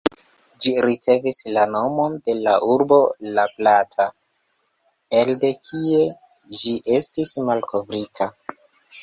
Ĝi ricevis la nomon de la urbo "La Plata", elde kie ĝi estis malkovrita.